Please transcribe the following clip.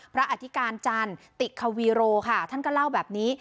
อธิการจันติควีโรค่ะท่านก็เล่าแบบนี้